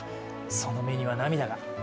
その目には涙が。